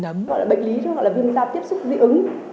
gọi là bệnh lý gọi là viêm da tiếp xúc dị ứng